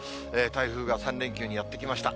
台風が３連休にやって来ました。